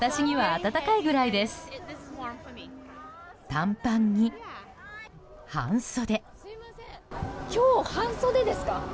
短パンに半袖。